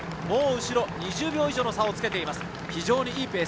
もう後ろ２０秒以上の差をつけています。